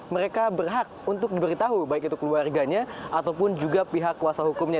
mereka berhak untuk diberitahu baik itu keluarganya ataupun juga pihak kuasa hukumnya